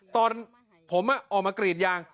ตอนผมออกมากรีดยาง